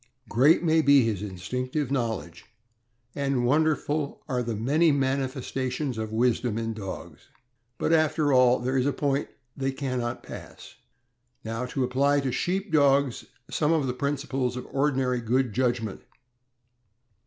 Great may be his instinctive knowledge, and wonderful are the many manifestations of wisdom in dogs; but, after all, there is a point they can not pass. Now apply to Sheep Dogs some of the principles of ordinary good judgment.